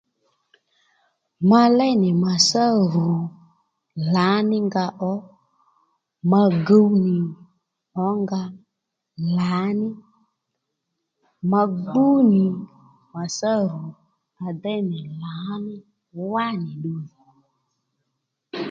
Ma léy nì màtsá rù lǎnínga ó ma guw nì ǒnga lǎní ma gbú nì màtsá rù à déy nì lǎní wánì ddu nà